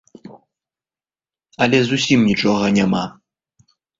Але зусім нічога няма.